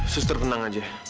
suster tenang aja